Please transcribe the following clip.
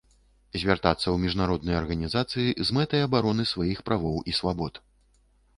Звяртацца ў міжнародныя арганізацыі з мэтай абароны сваіх правоў і свабод.